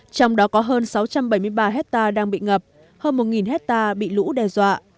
trong đó có hơn sáu trăm bảy mươi ba hectare đang bị ngập hơn một hectare bị lũ đe dọa